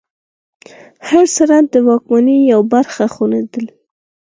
هر سند د واکمنۍ یوه برخه ښودله.